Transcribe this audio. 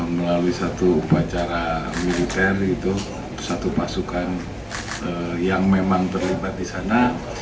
melalui satu upacara militer satu pasukan yang memang terlibat di sana